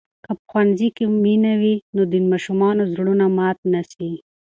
که په ښوونځي کې مینه وي، نو د ماشومانو زړونه مات نه سي.